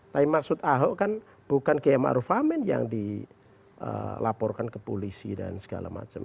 tapi maksud ahok kan bukan qm a'ruf amin yang dilaporkan ke polisi dan segala macam